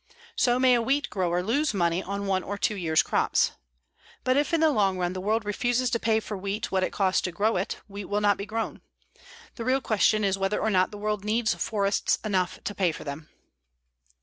So may a wheat grower lose money on one or two years' crops. But if in the long run the world refuses to pay for wheat what it costs to grow it, wheat will not be grown. The real question is whether or not the world needs forests enough to pay for them.